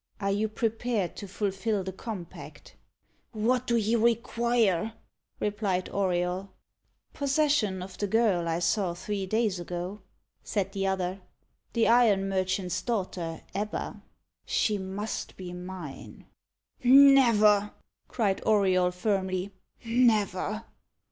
"Are you prepared to fulfil the compact?" "What do you require?" replied Auriol. "Possession of the girl I saw three days ago," said the other; "the iron merchant's daughter, Ebba. She must be mine." "Never!" cried Auriol firmly "never!"